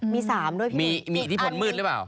มี๓ด้วยพี่มีอิทธิพลมืดหรือเปล่า